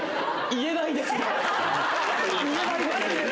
言えないです。